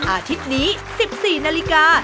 อาทิตย์นี้๑๔นาฬิกา